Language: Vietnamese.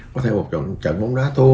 có thể một trận bóng đá tố